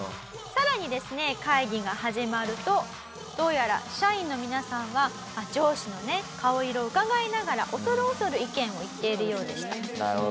さらにですね会議が始まるとどうやら社員の皆さんは上司のね顔色をうかがいながら恐る恐る意見を言っているようでした。